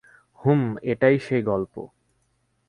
হুম এটাই সেই গল্প!